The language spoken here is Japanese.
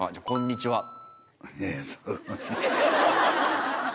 「こんにちは」。